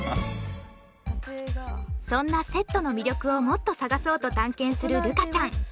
そんなセットの魅力をもっと探そうと探検する瑠香ちゃん